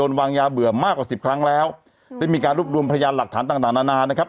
วางยาเบื่อมากกว่าสิบครั้งแล้วได้มีการรวบรวมพยานหลักฐานต่างต่างนานานะครับ